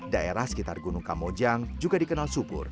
daerah sekitar gunung kamojang juga dikenal subur